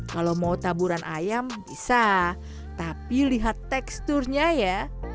kalau mau taburan ayam bisa tapi lihat teksturnya ya